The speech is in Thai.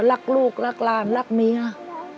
รักลูกรักลานรักมี้า